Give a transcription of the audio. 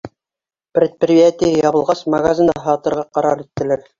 Предприятие ябылғас, магазинды һатырға ҡарар иттеләр.